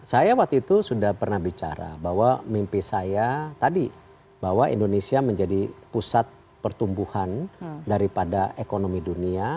saya waktu itu sudah pernah bicara bahwa mimpi saya tadi bahwa indonesia menjadi pusat pertumbuhan daripada ekonomi dunia